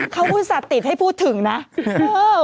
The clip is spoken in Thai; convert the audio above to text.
เขาพูดสัตติให้พูดถึงนะเออ